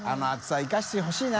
△稜いかしてほしいな。